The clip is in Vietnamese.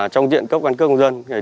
trong tiện cấp căn cước công dân